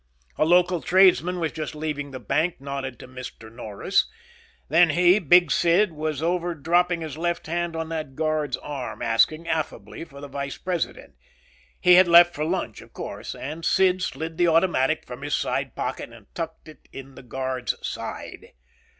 A local tradesman was just leaving the bank, nodded to "Mr. Norris." Then he, Big Sid, was over dropping his left hand on that guard's arm, asking affably for the vice president. He had left for lunch, of course. And Sid slid the automatic from his side pocket and tucked it in the guard's side.